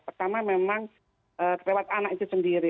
pertama memang lewat anak itu sendiri